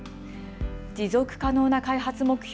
持続可能な開発目標